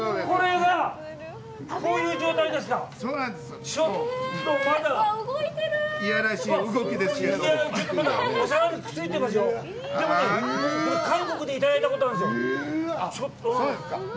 こういう状態ですか。